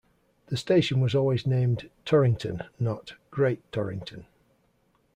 The station was always named 'Torrington', not 'Great Torrington'.